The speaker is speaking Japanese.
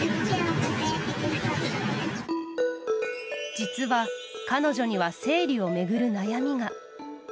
実は、彼女には生理を巡る悩みが。